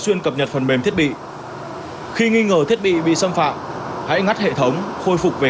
xuyên cập nhật phần mềm thiết bị khi nghi ngờ thiết bị bị xâm phạm hãy ngắt hệ thống khôi phục về